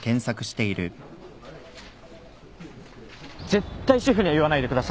絶対シェフには言わないでくださいよ。